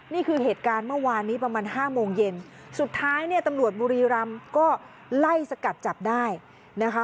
นี่คือเหตุการณ์เมื่อวานนี้ประมาณห้าโมงเย็นสุดท้ายเนี่ยตำรวจบุรีรำก็ไล่สกัดจับได้นะคะ